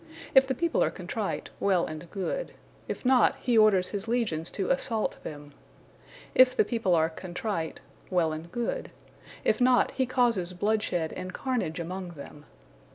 If the people are contrite, well and good; if not, he orders his legions to assault them. If the people are contrite, well and good; if not, he causes bloodshed and carnage among them.